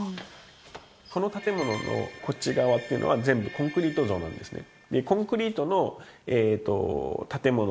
この建もののこっち側っていうのは全部コンクリート造なんですね。